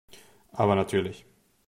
Aber natürlich.